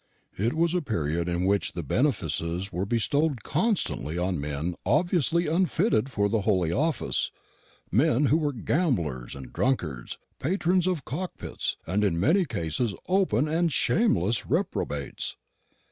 It was a period in which benefices were bestowed constantly on men obviously unfitted for the holy office men who were gamblers and drunkards, patrons of cock pits, and in many cases open and shameless reprobates.